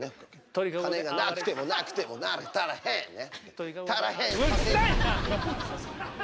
金がなくても、なくてもなら足らへんね！